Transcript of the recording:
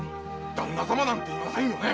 ダンナ様なんていませんよね。